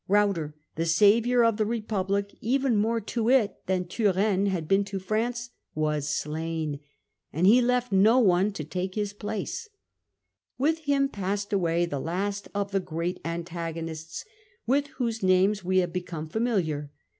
Ruyter, the saviour of the Republic, even more to it than Turennehad been to France, was stain, and he left no one to take his Battles pl ace * Wit* him passed away the last of the with the great antagonists with whose names we have andThlfch. become familiar.